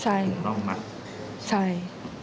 ใช่ใช่ถึงร่องมัดบุกรุนทรีย์